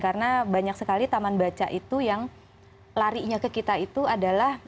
karena banyak sekali taman bacaan itu yang larinya ke kita itu adalah